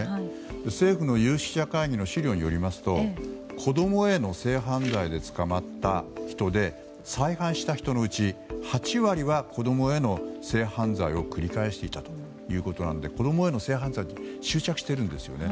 政府の有識者会議の資料によりますと子供への性犯罪で捕まった人で再犯した人のうち８割は子供への性犯罪を繰り返していたということなので子供への性犯罪に執着してるんですよね。